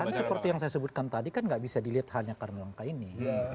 ya kan seperti yang saya sebutkan tadi kan nggak bisa dilihat hanya karena langkah ini